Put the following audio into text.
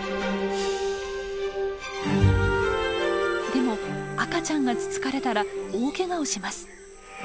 でも赤ちゃんがつつかれたら大ケガをします。